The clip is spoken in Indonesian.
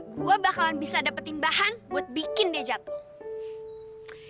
gue bakalan bisa dapetin bahan buat bikin dia jatuh